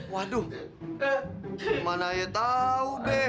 waduh mana aja tau be